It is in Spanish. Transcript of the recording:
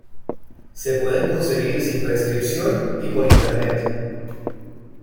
Se pueden conseguir sin prescripción, y por internet.